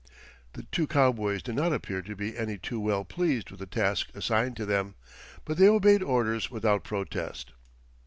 The two cowboys did not appear to be any too well pleased with the task assigned to them, but they obeyed orders without protest.